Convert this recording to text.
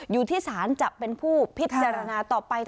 อยู่ที่ศาลจะเป็นผู้พิจารณาต่อไป